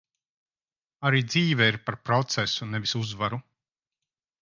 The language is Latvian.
Arī dzīve ir par procesu, nevis uzvaru.